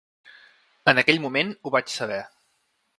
En aquell moment, ho vaig saber.